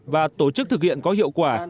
và tổ chức thực hiện có hiệu quả